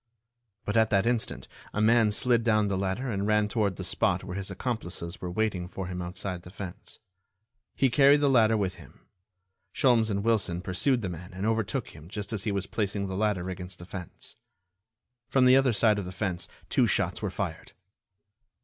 But at that instant a man slid down the ladder and ran toward the spot where his accomplices were waiting for him outside the fence. He carried the ladder with him. Sholmes and Wilson pursued the man and overtook him just as he was placing the ladder against the fence. From the other side of the fence two shots were fired.